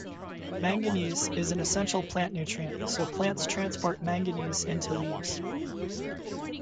Manganese is an essential plant nutrient, so plants transport Mn into leaves.